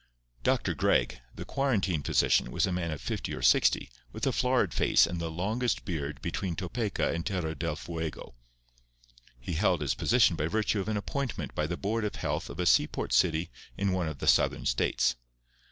Dr. Gregg, the quarantine physician, was a man of fifty or sixty, with a florid face and the longest beard between Topeka and Terra del Fuego. He held his position by virtue of an appointment by the Board of Health of a seaport city in one of the Southern states.